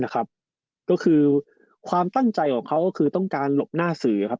ก็คือความตั้งใจของเขาก็คือต้องการหลบหน้าสื่อครับ